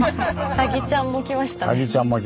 サギちゃんも来ました。